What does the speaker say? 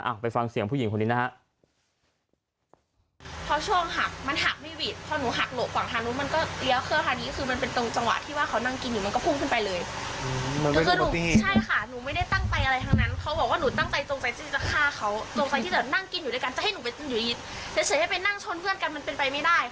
ไปฟังเสียงผู้หญิงคนนี้นะฮะ